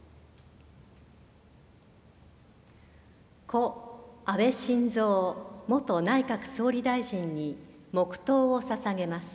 故安倍晋三元内閣総理大臣に黙とうをささげます。